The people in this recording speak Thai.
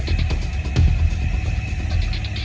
เพราะว่าเมืองนี้จะเป็นที่สุดท้าย